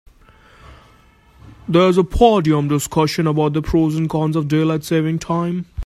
There's a podium discussion about the pros and cons of daylight saving time.